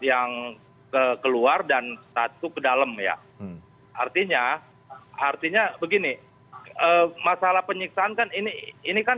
yang keluar dan satu ke dalam ya artinya artinya begini masalah penyiksaan kan ini ini kan